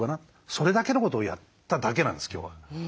それだけのことをやっただけなんです今日は。